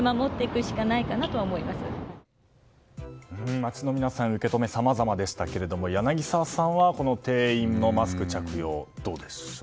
街の皆さんの受け止めさまざまでしたけれども柳澤さんは店員のマスク着用、どうでしょう。